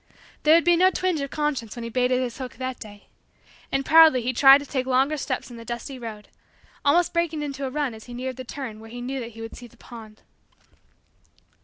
There would be no twinge of conscience when he baited his hook that day. And proudly he tried to take longer steps in the dusty road; almost breaking into a run as he neared the turn where he knew that he would see the pond.